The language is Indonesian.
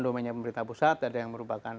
domainnya pemerintah pusat ada yang merupakan